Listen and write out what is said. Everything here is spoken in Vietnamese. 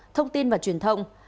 thông tin và truyền thông